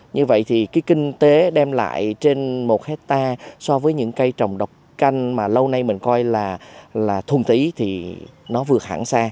như vậy thì cái kinh tế đem lại trên một hectare so với những cây trồng độc canh mà lâu nay mình coi là thuần tí thì nó vừa hẳng xa